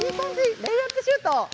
レイアップシュート！